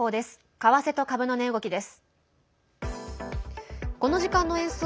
為替と株の値動きです。